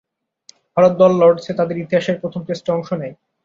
ভারত দল লর্ডসে তাদের ইতিহাসের প্রথম টেস্টে অংশ নেয়।